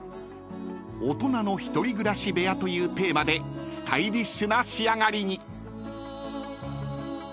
［大人の１人暮らし部屋というテーマでスタイリッシュな仕上がりに］